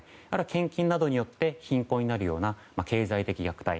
献金などによって貧困になるような経済的虐待。